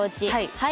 はい。